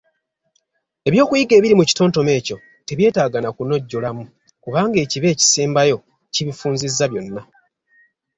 Eby'okuyiga ebiri mu kitontome ekyo tebyetaaga na kunojjolamu kubanga ekiba ekisembayo kibifunzizza byonna.